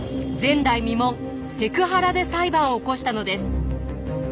前代未聞セクハラで裁判を起こしたのです。